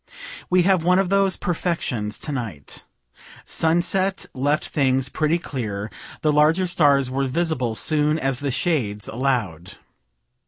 We have one of those perfections to night. Sunset left things pretty clear; the larger stars were visible soon as the shades allow'd.